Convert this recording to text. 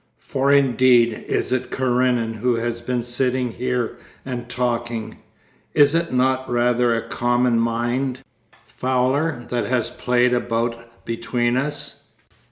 For indeed is it Karenin who has been sitting here and talking; is it not rather a common mind, Fowler, that has played about between us?